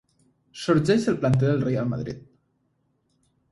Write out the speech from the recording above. Sorgeix del planter del Reial Madrid.